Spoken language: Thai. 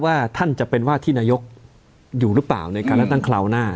ว่าท่านจะเป็นว่าที่นายกอยู่หรือเปล่าในขณะตั้งคราวหน้า